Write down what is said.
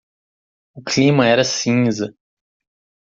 O clima era cinza.